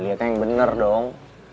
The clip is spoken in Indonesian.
lihat yang bener dong